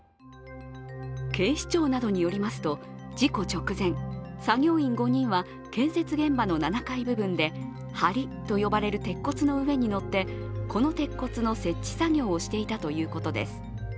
警視庁などによりますと、事故直前、作業員５人は建設現場の７階部分ではりと呼ばれる鉄骨の上に乗ってこの鉄骨の設置作業をしていたということです